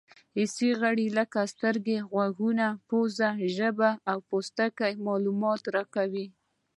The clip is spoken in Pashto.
حسي غړي لکه سترګې، غوږ، پزه، ژبه او پوستکی معلومات راکوي.